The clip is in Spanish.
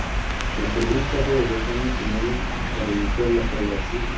Se otorgó un plazo de dos años y medios para iniciar las obras.